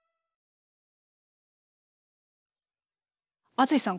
淳さん